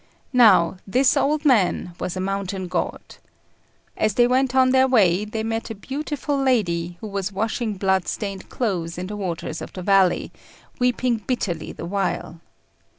Now this old man was a mountain god. As they went on their way they met a beautiful lady, who was washing blood stained clothes in the waters of the valley, weeping bitterly the while.